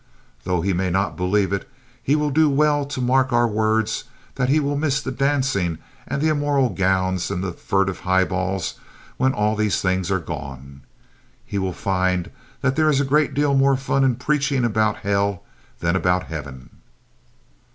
Though he may not believe it, he will do well to mark our words that he will miss the dancing and the immoral gowns and the furtive highballs when all these things are gone. He will find that there is a great deal more fun in preaching about hell than about heaven.